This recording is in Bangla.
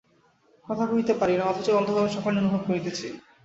কথা কহিতে পারি না, অথচ অন্ধভাবে সকলই অনুভব করিতেছি।